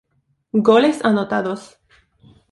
Goles Anotados.